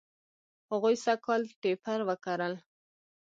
هغوی سږ کال ټیپر و کرل.